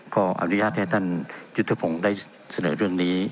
ก็อนุญาตให้ท่านยุทธพงศ์ได้เสนอเรื่องนี้